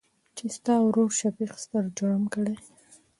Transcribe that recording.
چې ستا ورورشفيق ستر جرم کړى.